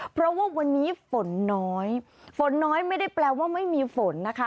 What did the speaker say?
เพราะว่าวันนี้ฝนน้อยฝนน้อยไม่ได้แปลว่าไม่มีฝนนะคะ